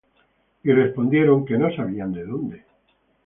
Y respondieron que no sabían de dónde.